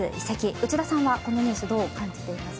内田さんはこのニュースをどう感じていますか。